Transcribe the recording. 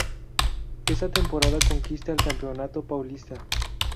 Esa temporada conquista el Campeonato Paulista.